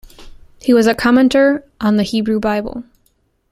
He was a commentator on the Hebrew Bible.